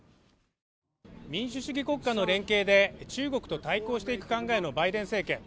民主主義国家の連携で中国と対抗していく考えのバイデン政権。